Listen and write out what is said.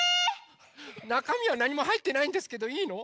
⁉なかみはなにもはいってないんですけどいいの？